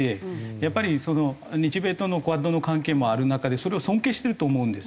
やっぱり日米とのＱＵＡＤの関係もある中でそれを尊敬してると思うんです。